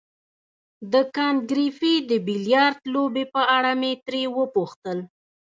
د کانت ګریفي د بیلیارډ لوبې په اړه مې ترې وپوښتل.